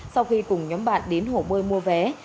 sau khi cùng nhóm bạn đến hổ bơi mua vé